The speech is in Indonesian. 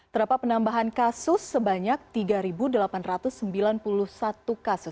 terdapat penambahan kasus sebanyak tiga delapan ratus sembilan puluh satu kasus